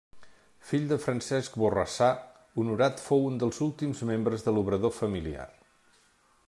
Fill de Francesc Borrassà, Honorat fou un dels últims membres de l'obrador familiar.